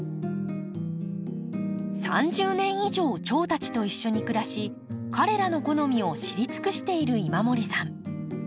３０年以上チョウたちと一緒に暮らし彼らの好みを知り尽くしている今森さん。